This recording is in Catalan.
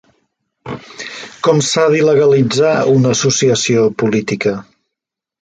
Com s’ha d’il·legalitzar una associació política?